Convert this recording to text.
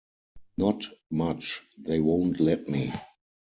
Not much; they won't let me.